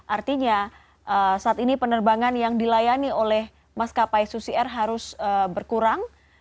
artinya saat ini penerbangan yang dilayani oleh maskapai susi air harus berkurang